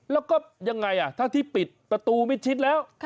แล้วก็ยังไงถ้าที่ปิดประตูมิดชิดแล้ว